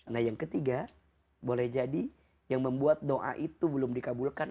nah yang ketiga boleh jadi yang membuat doa itu belum dikabulkan